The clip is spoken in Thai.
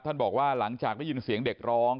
บอกว่าหลังจากได้ยินเสียงเด็กร้อง